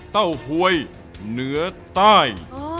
เต้าหวยเหนือใต้